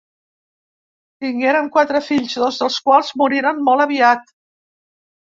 Tingueren quatre fills, dos dels quals moriren molt aviat.